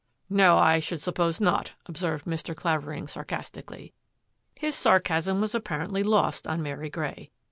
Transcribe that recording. " No, I should suppose not," observed Mr. Qavering sarcastically. His sarcasm was apparently lost on Mary Grey.